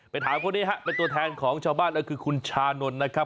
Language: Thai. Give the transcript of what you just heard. ถามคนนี้ฮะเป็นตัวแทนของชาวบ้านแล้วคือคุณชานนท์นะครับ